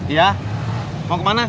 iya mau kemana